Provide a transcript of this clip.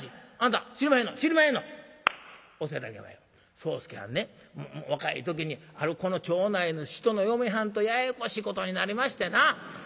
宗助はんね若い時にあるこの町内の人の嫁はんとややこしいことになりましてな。